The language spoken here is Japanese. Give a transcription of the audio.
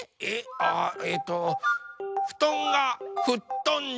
ああええとふとんがふっとんだ！